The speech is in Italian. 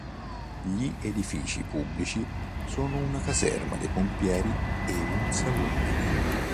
Gli edifici pubblici sono una caserma dei pompieri e un saloon.